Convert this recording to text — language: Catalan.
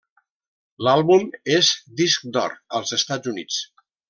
L'àlbum és disc d'or als Estats Units.